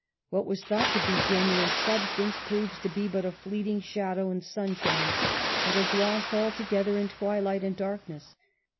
What was thought to be genuine substance proves to be but a fleeting shadow in sunshine, tiiat is lost all together in twilight and darkness.